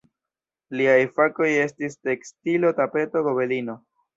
Liaj fakoj estis tekstilo-tapeto-gobelino.